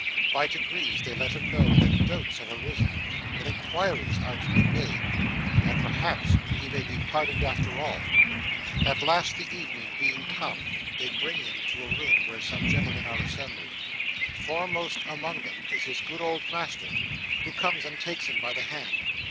By degrees they let him know that doubts have arisen, that inquiries are to be made, and perhaps he may be pardoned after all. At last, the evening being come, they bring him to a room where some gentlemen are assembled. Foremost among them is his good old master, who comes and takes him by the hand.